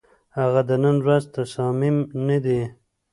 هغه د نن ورځ تصامیم نه دي،